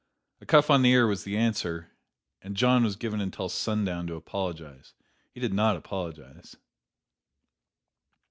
A cuff on the ear was the answer, and John was given until sundown to apologize. He did not apologize.